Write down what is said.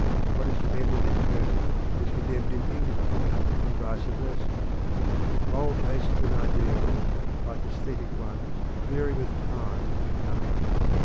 What is commended in Turkey is condemned in England, and vice versa. Moral tastes and ideals, like æsthetic ones, vary with time and country.